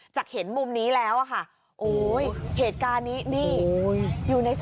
จากเห็นมุมนี้แล้วนะคะโอ้โหเหตุการณ์นี้